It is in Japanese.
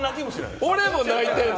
俺も泣いてんの？